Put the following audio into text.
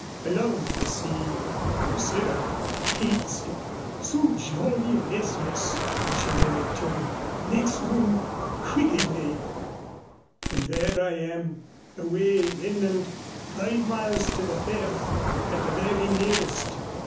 I love the sea and Cyril hates it. 'So jolly restless,'" she mimicked him. "Makes one 'quiggledy.' And there I am away inland five miles to the firth at the very nearest.